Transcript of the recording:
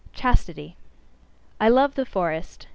CHASTITY. I love the forest.